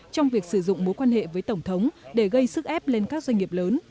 trong việc sử dụng mối quan hệ với tổng thống để gây sức ép lên các doanh nghiệp lớn